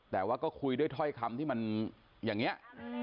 แต่ว่าก็คุยด้วยถ้อยคำที่มันอย่างนี้